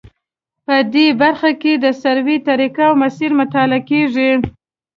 په دې برخه کې د سروې طریقې او مسیر مطالعه کیږي